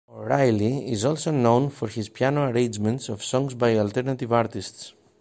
O'Riley is also known for his piano arrangements of songs by alternative artists.